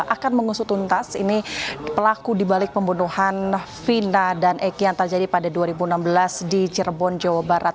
akan mengusutuntas ini pelaku dibalik pembunuhan vina dan eki yang terjadi pada dua ribu enam belas di cirebon jawa barat